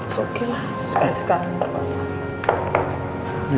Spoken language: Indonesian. so okay lah sekali sekala gak apa apa